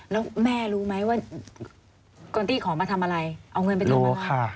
แล้วแม่รู้ไหมว่ากลตี้ขอมาทำอะไรเอาเงินไปทำอะไร